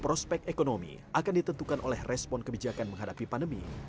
prospek ekonomi akan ditentukan oleh respon kebijakan menghadapi pandemi